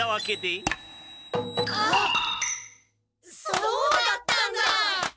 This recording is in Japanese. そうだったんだ！